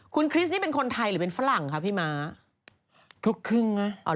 คุณคริสนี่เป็นคนไทยหรือเป็นฝรั่งคะพี่ม้าทุกครึ่งนะ